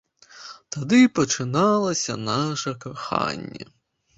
Тады пачыналася наша каханне.